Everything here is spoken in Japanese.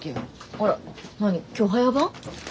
あら何今日早番？